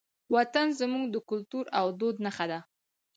وطن زموږ د کلتور او دود نښه ده.